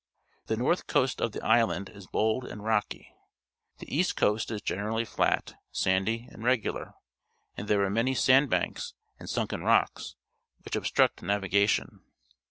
The north coast of the island is bold and rocky. The east coast is generally flat, sandy, and regular, and there are many sand banks and sunken rocks, which ob struct navigation.